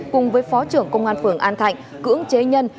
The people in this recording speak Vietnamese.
cùng với phó trưởng công an phường an thạnh cưỡng chế nhân